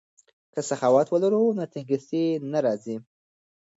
که سخاوت ولرو نو تنګسي نه راځي.